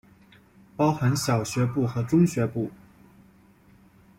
包含小学部和中学部。